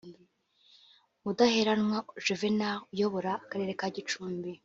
Mudaheranwa Juvenal uyobora Akarere ka Gicumbi